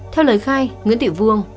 theo lời khai nguyễn thị phương